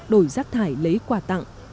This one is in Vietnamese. đổi rác thải lấy quà tặng